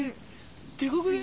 でかくね？